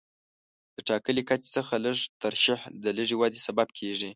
له ټاکلي کچې څخه لږه ترشح د لږې ودې سبب کېږي.